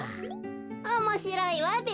おもしろいわべ。